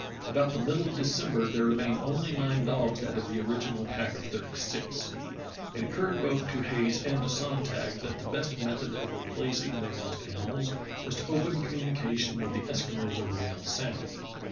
About the middle of December there remained only nine dogs out of the original pack of thirty six. It occurred both to Hayes and to Sonntag that the best method of replacing their lost animals was to open communication with the Eskimos of Whale Sound.